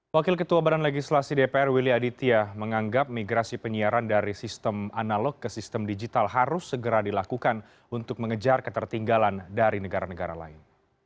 wakil ketua badan legislasi dpr willy aditya menganggap migrasi penyiaran dari sistem analog ke sistem digital harus segera dilakukan untuk mengejar ketertinggalan dari negara negara lain